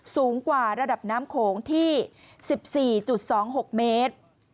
สูงกว่าระดับน้ำโขงที่๑๔๒๖เมตร